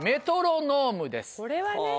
これはね。